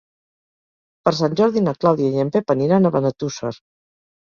Per Sant Jordi na Clàudia i en Pep aniran a Benetússer.